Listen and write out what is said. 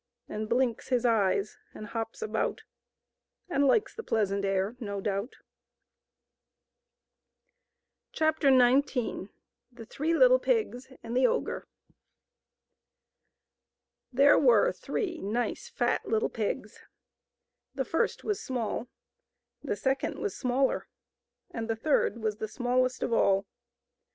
And blinks his£of€s , and hops about , Andlikes the pleasant ^/r, no doubt. ^^ i^ ,^— =4q^^ Ns The Three LitdeRgs andthe ^^ OGRE. T*>rw>"^1 XIX. HERE were three nice, fat little pigs. The first was small, the second was smaller, and the third was the smallest of all.